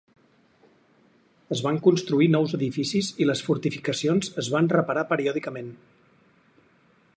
Es van construir nous edificis i les fortificacions es van reparar periòdicament.